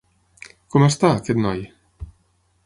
Com està, aquest noi?